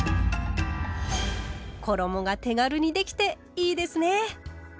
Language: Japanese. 衣が手軽にできていいですね！